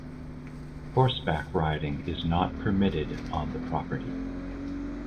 Horseback riding is not permitted on the property.